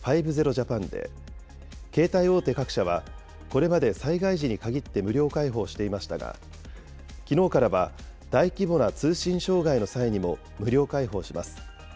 ＪＡＰＡＮで、携帯大手各社は、これまで災害時に限って無料開放していましたが、きのうからは大規模な通信障害の際にも無料開放します。